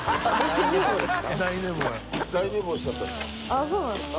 あっそうなんですか？